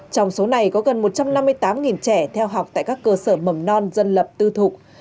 trong số này có gần một trăm năm mươi tám trẻ theo học tại các cơ sở mầm non dân lập tư thục